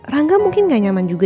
rangga mungkin gak nyaman juga